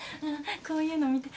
こういうの見て。